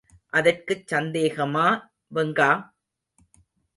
அதற்குச் சந்தேகமா வெங்கா?